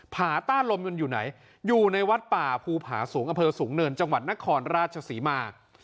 ผาต้าลมยังอยู่ไหนอยู่ในวัดป่าภูผาสูงอำเภอสูงเนินจังหวัดนครราชศรีมา